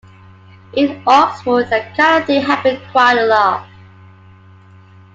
In Oxford that kind of thing happened quite a lot.